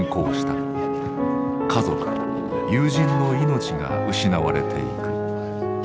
家族友人の命が失われていく。